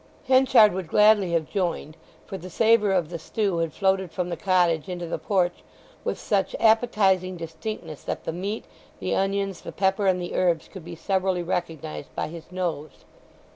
Henchard would gladly have joined; for the savour of the stew had floated from the cottage into the porch with such appetizing distinctness that the meat, the onions, the pepper, and the herbs could be severally recognized by his nose.